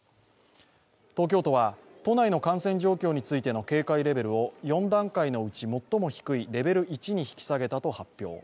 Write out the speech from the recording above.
東京都は都内の感染状況についての警戒レベルを４段階のうち最も低いレベル１に引き下げたと発表。